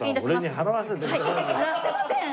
払わせません。